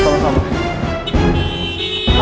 terima kasih pak